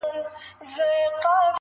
هر نظر دي زما لپاره د فتنو دی,